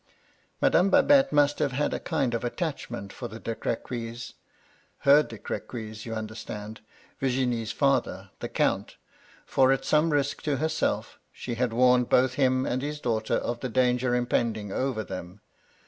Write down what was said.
Madame Babette must have had a kind of attachment for the De Crequys — her De Crequys, you understand — Virginie's father, the Count; for, at some risk to herself, she had warned both him and his daughter of the danger impending over them.